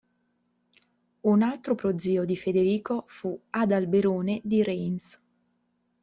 Un altro prozio di Federico fu Adalberone di Reims.